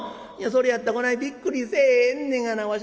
いやそれやったらこないびっくりせえへんねがな。